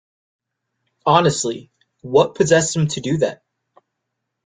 Honestly! What possessed him to do that?